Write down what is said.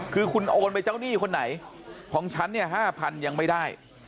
คือคุณโอนไปเจ้าหนี้คนไหนของฉันเนี่ย๕๐๐ยังไม่ได้